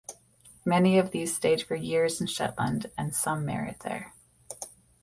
Many of these stayed for years in Shetland, and some married there.